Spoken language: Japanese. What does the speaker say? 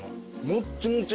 もっちもち。